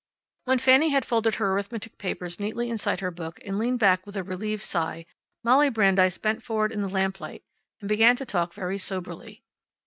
When Fanny had folded her arithmetic papers neatly inside her book and leaned back with a relieved sigh Molly Brandeis bent forward in the lamplight and began to talk very soberly.